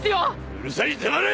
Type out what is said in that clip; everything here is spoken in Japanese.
うるさい黙れ！